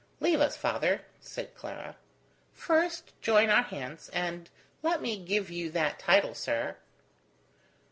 "Leave us, father," said Clara. "First join our hands, and let me give you that title, sir."